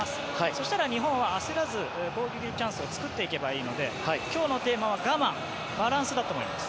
そしたら日本は焦らずチャンスを作っていけばいいので今日のテーマは我慢バランスだと思います。